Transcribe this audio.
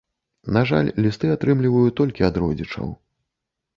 На жаль, лісты атрымліваю толькі ад родзічаў.